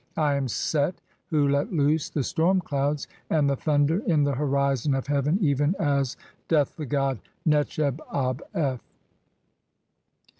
I am Set who let loose the storm clouds 'and the (15) thunder in the horizon of heaven even as [doth] 'the god Netcheb ab f."